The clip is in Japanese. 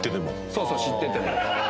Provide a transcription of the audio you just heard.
そうそう知ってても。